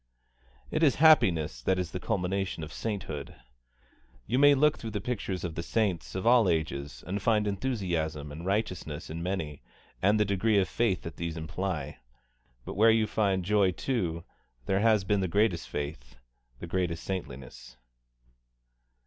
It is happiness that is the culmination of sainthood. You may look through the pictures of the saints of all ages and find enthusiasm and righteousness in many and the degree of faith that these imply; but where you find joy too, there has been the greatest faith, the greatest saintliness.